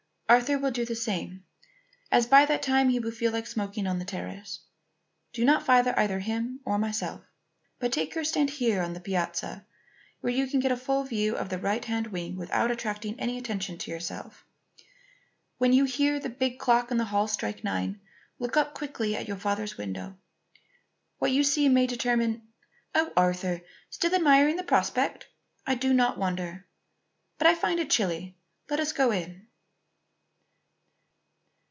Arthur will do the same, as by that time he will feel like smoking on the terrace. Do not follow either him or myself, but take your stand here on the piazza where you can get a full view of the right hand wing without attracting any attention to yourself. When you hear the big clock in the hall strike nine, look up quickly at your father's window. What you see may determine oh, Arthur! still admiring the prospect? I do not wonder. But I find it chilly. Let us go in."